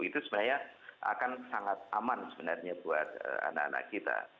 itu sebenarnya akan sangat aman sebenarnya buat anak anak kita